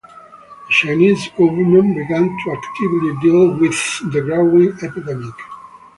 The Chinese government began to actively deal with the growing epidemic.